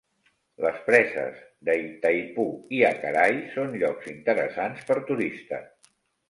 Les preses d'Itaipu i Acaray són llocs interessants per turistes.